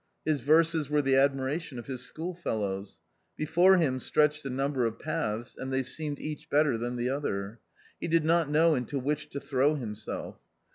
His verses were the admiration of his school fellows. Before him stretched a number of paths ; and they seemed each better than the other. He did not know into which to throw himself.